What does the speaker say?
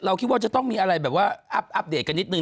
เราคิดว่าจะต้องมีอะไรแบบอัพเดทกันนิดนึง